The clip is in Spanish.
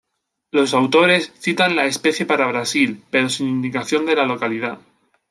Los autores citan la especie para Brasil, pero sin indicación de la localidad.